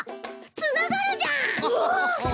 つながるじゃん！